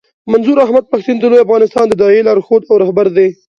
منظور احمد پښتين د لوی افغانستان د داعیې لارښود او رهبر دی.